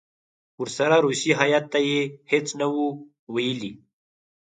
ورسره روسي هیات ته یې هېڅ نه وو ویلي.